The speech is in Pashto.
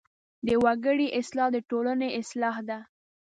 د وګړي اصلاح د ټولنې اصلاح ده.